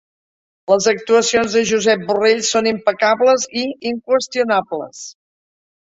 Les actuacions de Josep Borrell són impecables i inqüestionables